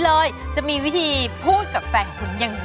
แล้วคุณพูดกับอันนี้ก็ไม่รู้นะผมว่ามันความเป็นส่วนตัวซึ่งกัน